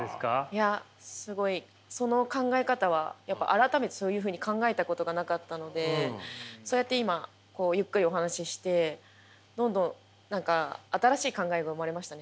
いやすごいその考え方は改めてそういうふうに考えたことがなかったのでそうやって今こうゆっくりお話ししてどんどん何か新しい考えが生まれましたね。